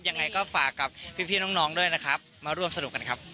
ยังไงก็ฝากกับพี่น้องด้วยนะครับมาร่วมสนุกกันครับ